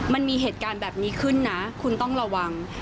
มันมีเหตุการณ์แบบนี้ขึ้นนะคุณต้องระวัง